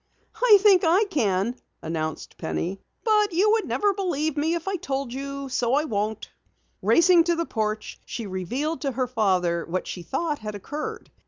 "I think I can," announced Penny. "But you never would believe me if I told you, so I won't." Racing to the porch, she revealed to her father what she thought had occurred.